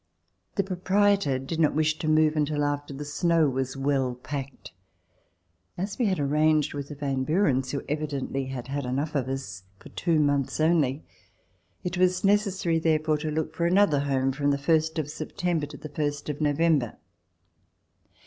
The proprietor did not wish to move until after the snow was well packed. As we had arranged with the Van Burens, who evidently had had enough of us, for two months only, it was necessary, therefore, to look for another home from the first of September to the first of November.